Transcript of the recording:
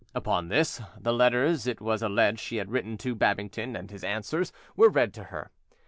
Upon this, the letters it was alleged she had written to Babington and his answers were read to her.